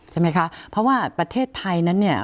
ใช่ไหมคะเพราะว่าประเทศไทย